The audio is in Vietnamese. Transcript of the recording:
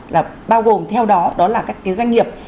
là bao gồm theo đó đó là các cái doanh nghiệp